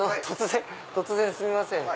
突然すみません。